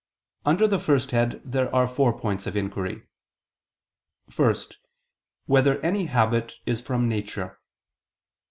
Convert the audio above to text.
Under the first head there are four points of inquiry: (1) Whether any habit is from nature?